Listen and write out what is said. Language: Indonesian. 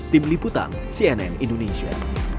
tim liputan cnn indonesia